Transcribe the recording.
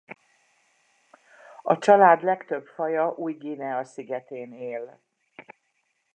A család legtöbb faja Új-Guinea szigetén él.